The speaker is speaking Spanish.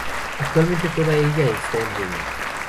Actualmente toda ella está en ruinas.